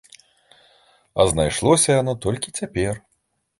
А знайшлося яно толькі цяпер!